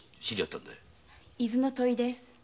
伊豆の土肥です。